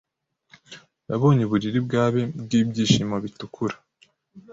Yabonye uburiri bwawe Bwibyishimo bitukura